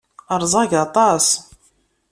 Rẓag aṭas.